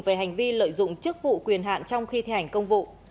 về hành vi lợi dụng chức vụ quyền hạn trong khi thi hành công vụ